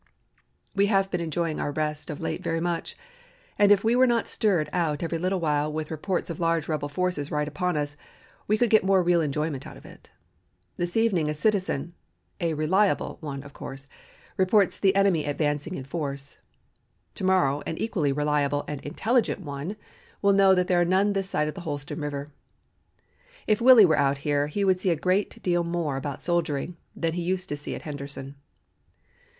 "We have been enjoying our rest of late very much, and if we were not stirred out every little while with reports of large rebel forces right upon us, we could get more real enjoyment out of it. This evening a citizen (a reliable one, of course) reports the enemy advancing in force. To morrow an equally reliable and intelligent one will know that there are none this side of the Holston River. If Willie were out here he would see a great deal more about soldiering than he used to see at Henderson."